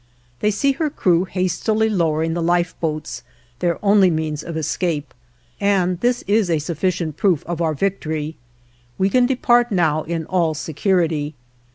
They see her crew hastily lowering the life boats their only means of escape and this is a sufficient proof of our victory. We can depart now in all security.